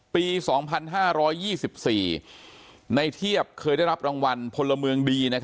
ปี๒๕๒๔ในเทียบเคยได้รับรางวัลพลเมืองดี